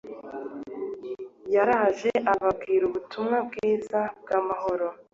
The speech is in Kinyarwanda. Yaraje ababwira ubutumwa bwiza bw’amahoro